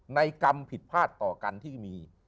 ในกรรมผิดภาษณ์ต่อกันที่มี